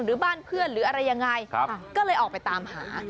หรือบ้านเพื่อนหรืออะไรยังไงก็เลยออกไปตามหา